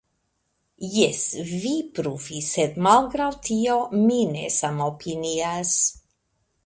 Jes, vi pruvis, sed malgraŭ tio mi ne samopinias.